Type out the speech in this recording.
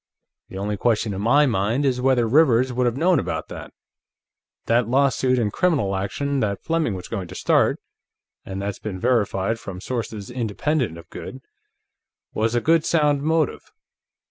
The only question in my mind is whether Rivers would have known about that. That lawsuit and criminal action that Fleming was going to start and that's been verified from sources independent of Goode was a good sound motive.